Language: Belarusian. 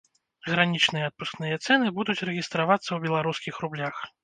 Гранічныя адпускныя цэны будуць рэгістравацца ў беларускіх рублях.